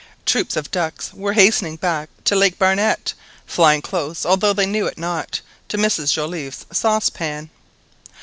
Troops of ducks were hastening back to Lake Barnett, flying close, although they knew it not, to Mrs Joliffe's saucepan.